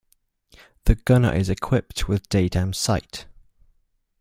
The gunner is equipped with daytime sight.